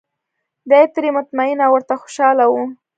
دای ترې مطمین او ورته خوشاله و.